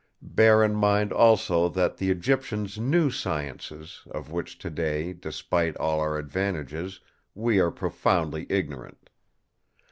Bear in mind also that the Egyptians knew sciences, of which today, despite all our advantages, we are profoundly ignorant.